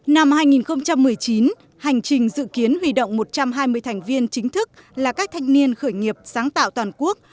năm hai nghìn một mươi chín hành trình dự kiến huy động một trăm hai mươi thành viên chính thức là các thanh niên khởi nghiệp sáng tạo toàn quốc